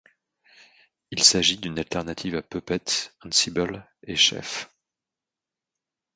Il s'agit d'une alternative à Puppet, Ansible et Chef.